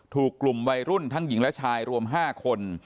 ถูกกลุ่มวัยรุ่นทั้งหญิงและชายรวม๕คน